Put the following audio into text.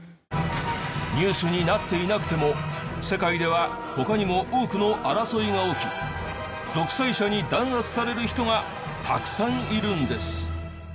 ニュースになっていなくても世界では他にも多くの争いが起き独裁者に弾圧される人がたくさんいるんです。